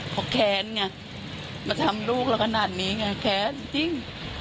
เขาแค้นไงมาทำลูกเราขนาดนี้ไงแค้นจริง